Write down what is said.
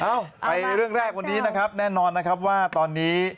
เอ้าไปเรื่องแรกวันนี้นะครับแน่นอนนะครับว่าตอนนี้